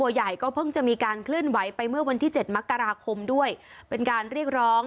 ใหญ่ก็เพิ่งจะมีการเคลื่อนไหวไปเมื่อวันที่เจ็ดมกราคมด้วยเป็นการเรียกร้อง